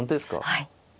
はい。